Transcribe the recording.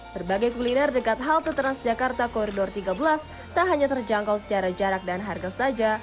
berbagai kuliner dekat halte transjakarta koridor tiga belas tak hanya terjangkau secara jarak dan harga saja